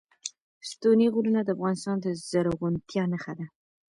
ستوني غرونه د افغانستان د زرغونتیا نښه ده.